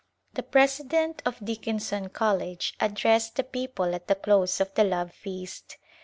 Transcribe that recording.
The president of Dickinson College addressed the people at the close of the love feast.